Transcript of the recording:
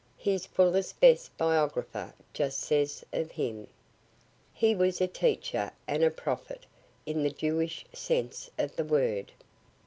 His fullest best biographer justly says of him: He was a teacher and a prophet, in the Jewish sense of the word.